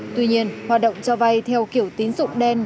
tuy nhiên hoạt động cho vay theo kiểu tín dụng đen